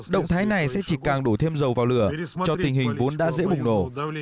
động thái này sẽ chỉ càng đổ thêm dầu vào lửa cho tình hình vốn đã dễ bùng nổ